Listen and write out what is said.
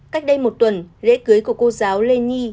cách đây một tuần lễ cưới của cô giáo lê nhi